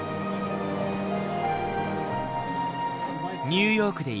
ニューヨークで